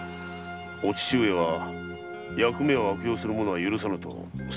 お父上は役目を悪用する者は許さぬとおっしゃったのか？